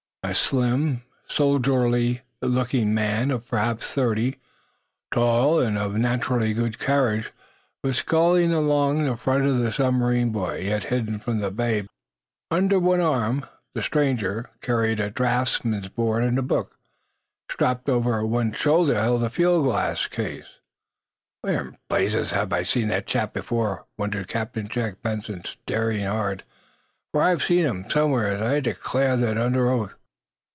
A slim, soldierly looking man of perhaps thirty, tall and of naturally good carriage, was skulking along in front of the submarine boy, yet hidden from the bay by a sand ridge. Under one arm the stranger carried a draughtsman's board and a book. A strap over one shoulder held a field glass case. "Where in blazes have I seen that chap before?" wondered Captain Jack Benson, staring hard. "For I have seen him somewhere. I'd declare that under oath."